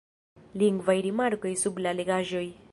Lingvaj rimarkoj sub la legaĵoj.